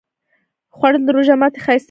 خوړل د روژه ماتی ښایسته کوي